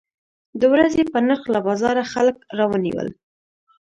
د ورځې په نرخ له بازاره خلک راونیول.